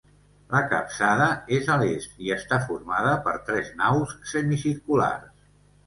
La capçada és a l'est i està formada per tres naus semicirculars.